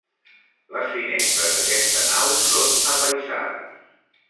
Les finestres d'aquesta nau són apaïsades.